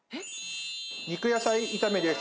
肉野菜炒めです。